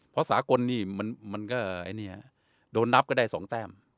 เพราะสากลนี่มันก็โดนนับก็ได้๒แต้ม